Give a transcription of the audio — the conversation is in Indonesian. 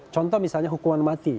contoh misalnya hukuman mati